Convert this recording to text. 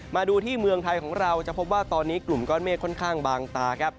มาดูที่เมืองไทยของเราจะพบว่าตอนนี้กลุ่มก้อนเมฆค่อนข้างบางตาครับ